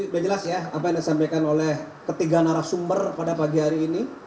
jadi sudah jelas ya apa yang disampaikan oleh ketiga narasumber pada pagi hari ini